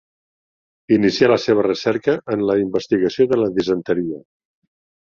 Inicià la seva recerca en la investigació de la disenteria.